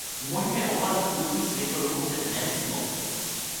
Umožňuje ovládat pulzní světlo dokonce v jiné místnosti.